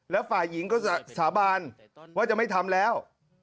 แล้วฝ่ายหญิงก็สาบานว่าจะไม่ทำแล้ว